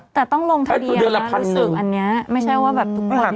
แต่ต้องลงทะเดียละรู้สึกอันนี้ไม่ใช่ว่าแบบ